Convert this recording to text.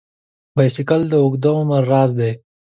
بایسکل د اوږده عمر راز دی.